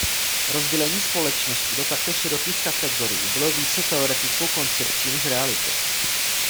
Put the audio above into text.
Rozdělení společnosti do takto širokých kategorií bylo více teoretickou koncepcí než realitou.